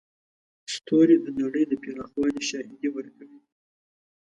ستوري د نړۍ د پراخوالي شاهدي ورکوي.